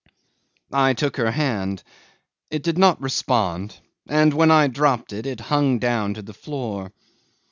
'I took her hand; it did not respond, and when I dropped it, it hung down to the floor.